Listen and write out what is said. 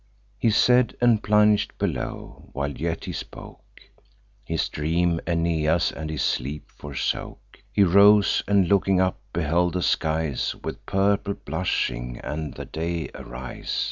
He said, and plung'd below. While yet he spoke, His dream Aeneas and his sleep forsook. He rose, and looking up, beheld the skies With purple blushing, and the day arise.